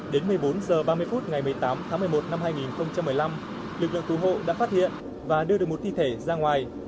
đến một mươi bốn h ba mươi phút ngày một mươi tám tháng một mươi một năm hai nghìn một mươi năm lực lượng cứu hộ đã phát hiện và đưa được một thi thể ra ngoài